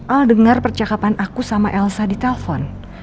al dengar percakapan aku sama elsa di telpon